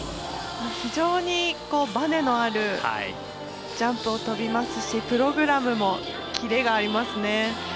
非常にバネのあるジャンプを跳びますしプログラムもキレがありますね。